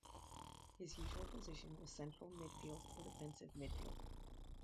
His usual position was central midfield or defensive midfield.